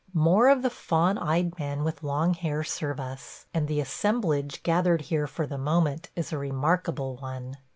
More of the fawn eyed men with long hair serve us, and the assemblage gathered here for the moment is a remarkable one.